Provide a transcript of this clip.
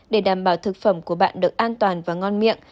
để đảm bảo thực phẩm của bạn được an toàn và ngon miệng